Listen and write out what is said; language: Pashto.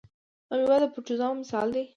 امیبا د پروټوزوا مثال دی